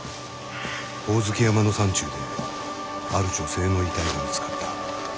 ホオズキ山の山中である女性の遺体が見つかった。